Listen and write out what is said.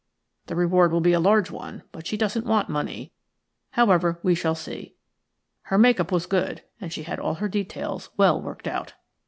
The reward will be a large one, but she doesn't want money. However, we shall see. Her make up was good, and she had all her details well worked out."